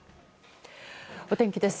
お天気です。